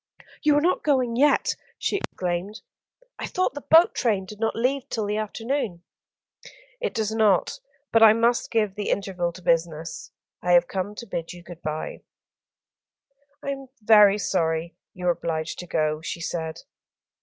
"You are not going yet," she exclaimed. "I thought the boat train did not leave till the afternoon." "It does not; but I must give the interval to business. I have come to bid you good bye." "I am very sorry you are obliged to go," she said.